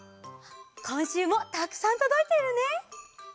こんしゅうもたくさんとどいているね！